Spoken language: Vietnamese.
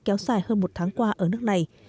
kéo dài hơn một tháng qua ở nước này